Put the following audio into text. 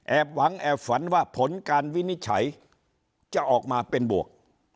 หวังแอบฝันว่าผลการวินิจฉัยจะออกมาเป็นบวก